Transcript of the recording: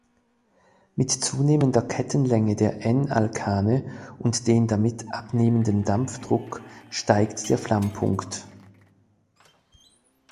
Mit zunehmender Kettenlänge der "n"-Alkane und den damit abnehmenden Dampfdruck steigt der Flammpunkt.